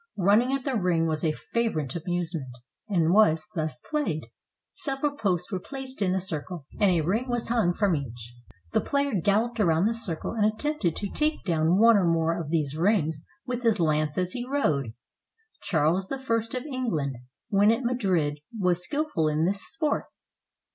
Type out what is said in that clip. Running at the ring was a favorite amusement, and was thus played: Several posts were placed in a circle, and a ring was hung from each. The player galloped round the circle and attempted to take down one or more of these rings with his lance as he rode. Charles I of England, when at Madrid, was skillful in this sport.